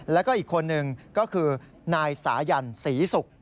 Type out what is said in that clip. แล้วก็อีกคนนึงก็คือนายสายันศรีศุกร์